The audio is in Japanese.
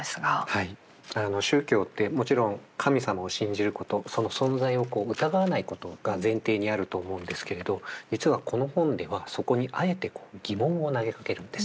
はい宗教ってもちろん神様を信じることその存在を疑わないことが前提にあると思うんですけれど実はこの本ではそこにあえて疑問を投げかけるんです。